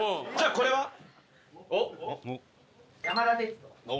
「これは何？」